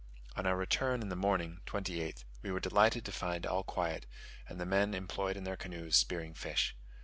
On our return in the morning (28th) we were delighted to find all quiet, and the men employed in their canoes spearing fish.